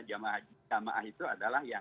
jamaah itu adalah yang